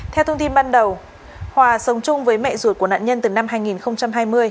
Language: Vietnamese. theo thông tin ban đầu hòa sống chung với mẹ ruột của nạn nhân từ năm hai nghìn hai mươi